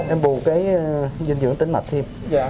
em bù cái dinh dưỡng tính mạch thêm